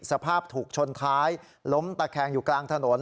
สภาพถูกชนท้ายล้มตะแคงอยู่กลางถนน